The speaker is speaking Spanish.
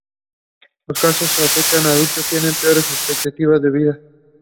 Los casos que afectan a adultos tienen peores expectativas de vida.